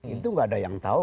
itu nggak ada yang tahu